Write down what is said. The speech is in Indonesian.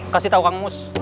kasih tau kang mus